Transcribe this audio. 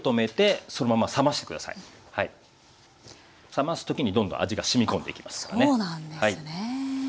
冷ます時にどんどん味がしみ込んでいきますからね。